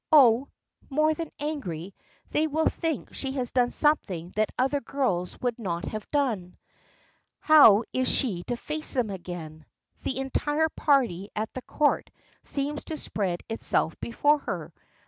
Oh! more than angry they will think she has done something that other girls would not have done. How is she to face them again? The entire party at the Court seems to spread itself before her.